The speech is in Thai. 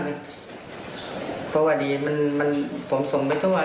เพราะว่าดีมันผมส่งไปทั่ว